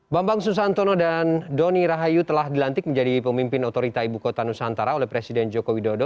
bambang susantono dan doni rahayu telah dilantik menjadi pemimpin otorita ibu kota nusantara oleh presiden joko widodo